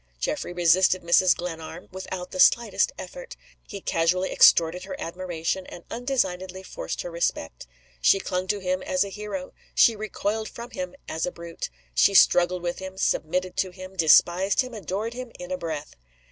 Geoffrey resisted Mrs. Glenarm without the slightest effort. He casually extorted her admiration, and undesignedly forced her respect. She clung to him, as a hero; she recoiled from him, as a brute; she struggled with him, submitted to him, despised him, adored him, in a breath.